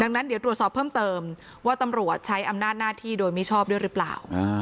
ดังนั้นเดี๋ยวตรวจสอบเพิ่มเติมว่าตำรวจใช้อำนาจหน้าที่โดยมิชอบด้วยหรือเปล่า